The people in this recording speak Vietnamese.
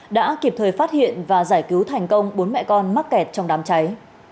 đã kịp thời phát hiện và giải cứu thành công bốn mẹ con mắc kẹt trong đám cháy